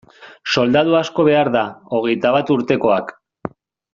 Soldadu asko behar da, hogeita bat urtekoak.